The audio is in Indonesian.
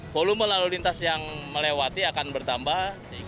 volume lalu lintas yang melewati akan bertambah